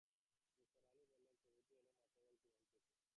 নিসার আলি বললেন, ছবিটি এসেছে অন্য মাত্রার এক জীবন থেকে।